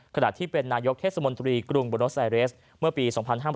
ขณะที่เป็นนายกเทศมนตรีกรุงโบโนไซเรสเมื่อปี๒๕๕๘